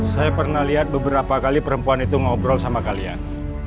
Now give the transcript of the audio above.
saya pernah lihat beberapa kali perempuan itu ngobrol sama kalian